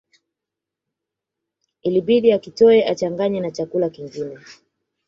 Ilibidi akitoe achanganye na chakula kingine